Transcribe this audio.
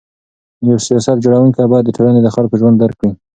یو سیاست جوړونکی باید د ټولني د خلکو ژوند درک کړي.